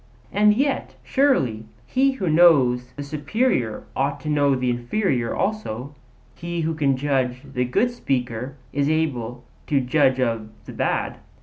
'And yet, surely, he who knows the superior ought to know the inferior also; he who can judge of the good speaker is able to judge of the bad.